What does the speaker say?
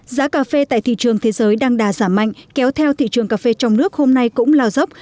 giá cà phê tại thị trường thế giới đang đà giảm mạnh kéo theo thị trường cà phê trong nước hôm nay cũng lao dốc